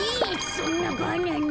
そんなバナナ。